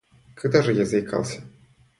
Когда же я заикался?